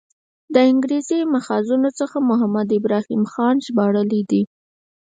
له انګریزي ماخذونو څخه محمد ابراهیم خان ژباړلی دی.